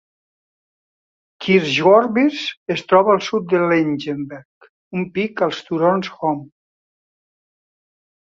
Kirchworbis es troba al sud de Langenberg, un pic als turons Ohm.